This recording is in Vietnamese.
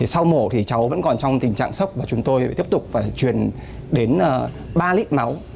sau mổ thì cháu vẫn còn trong tình trạng sốc và chúng tôi lại tiếp tục phải truyền đến ba lít máu